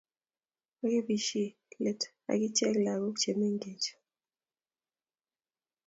makibischi let ak ichek lagok che mengechen